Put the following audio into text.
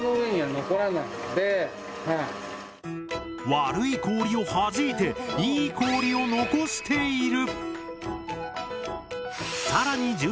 悪い氷をはじいていい氷を残している！